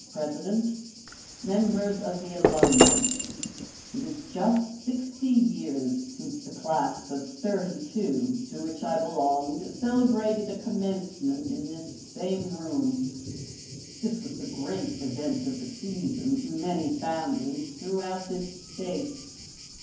PRESIDENT, MEMBERS OF THE ALUMNAE: "It is just sixty years since the class of '32, to which I belonged, celebrated a commencement in this same room. This was the great event of the season to many families throughout this State.